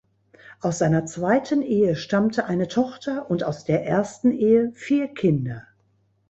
Aus seiner zweiten Ehe stammte eine Tochter und aus der ersten Ehe vier Kinder.